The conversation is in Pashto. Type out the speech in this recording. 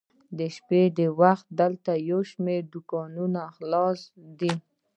د شپې دا وخت دلته یو شمېر دوکانونه خلاص دي.